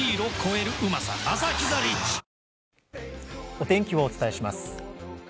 お天気をお伝えします。